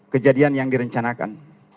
kejadian yang direncanakan